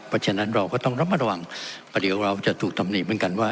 เพราะฉะนั้นเราก็ต้องรับมาระวังพอเดี๋ยวเราจะถูกทำหนีเป็นการว่า